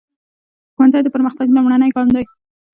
ښوونځی د پرمختګ لومړنی ګام دی.